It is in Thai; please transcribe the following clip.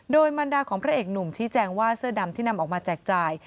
โดยมันดาของพระเอกหนุ่มชี้แจงว่าเสื้อดำที่นำออกมาแจกจ่าย